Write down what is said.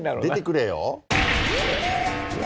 出てくれよ。